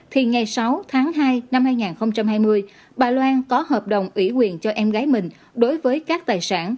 thì ngày sáu tháng hai năm hai nghìn hai mươi bà loan có hợp đồng ủy quyền cho em gái mình đối với các tài sản